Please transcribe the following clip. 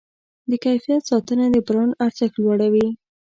د کیفیت ساتنه د برانډ ارزښت لوړوي.